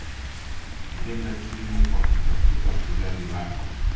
Alijenga timu kwa kutafuta wachezaji wapya